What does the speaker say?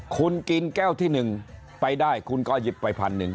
คุณกินแก้วที่๑ไปได้คุณก็หยิบไปพันหนึ่ง